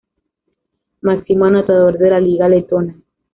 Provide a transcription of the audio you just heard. Máximo anotador de la liga letona.